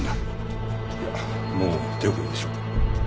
いやもう手遅れでしょう。